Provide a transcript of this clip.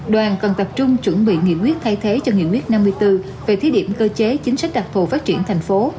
đoàn còn tập trung chuẩn bị nghị quyết thay thế cho nghị quyết năm mươi bốn về thí điểm cơ chế chính sách đặc thù phát triển thành phố